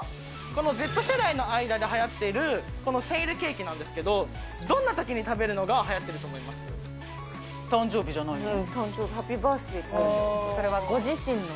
このＺ世代の間ではやっている、このセンイルケーキなんですけど、どんなときに食べるのがはやって誕生日じゃないの？